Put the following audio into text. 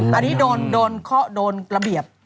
อันนี้โดนระเบียบ